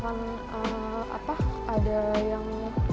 misalnya ada yang